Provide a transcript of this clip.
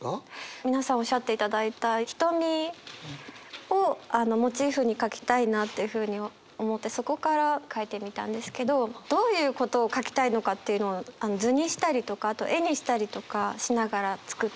皆さんおっしゃっていただいた「瞳」をモチーフに書きたいなっていうふうに思ってそこから書いてみたんですけどどういうことを書きたいのかっていうのを図にしたりとかあと絵にしたりとかしながら作って。